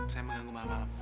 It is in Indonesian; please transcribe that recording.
saya mengganggu malam malam